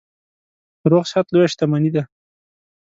روغ صحت لویه شتنمي ده.